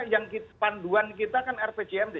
yang panduan kita kan rpcmd